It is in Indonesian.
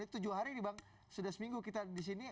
tujuh hari nih bang sudah seminggu kita di sini